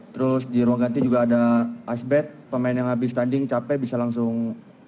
terus di ruang ganti juga ada ice bad pemain yang habis tanding capek bisa langsung